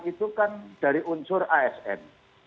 itu kan dari unsur asn